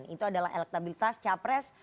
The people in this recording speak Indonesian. itu adalah elektabilitas capres